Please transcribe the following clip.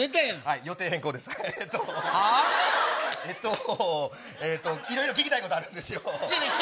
いろいろ聞きたいことあるんですよ。